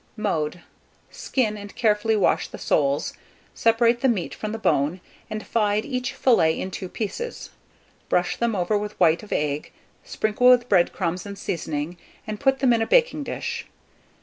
Mode. Skin, and carefully wash the soles, separate the meat from the bone, and divide each fillet in two pieces. Brush them over with white of egg, sprinkle with bread crumbs and seasoning, and put them in a baking dish.